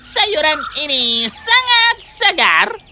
sayuran ini sangat segar